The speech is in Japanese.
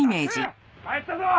空帰ったぞ！